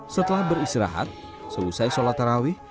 setelah beristirahat selesai sholat tarawih